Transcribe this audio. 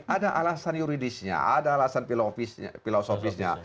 ada alasan yuridisnya ada alasan filosofisnya